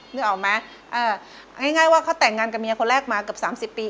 นึกออกไหมเอาง่ายว่าเขาแต่งงานกับเมียคนแรกมาเกือบ๓๐ปี